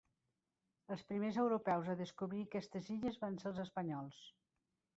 Els primers europeus a descobrir aquestes illes van ser els espanyols.